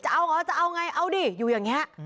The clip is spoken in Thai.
จะเอาจะเอาไงเอาดิอยู่อย่างนี้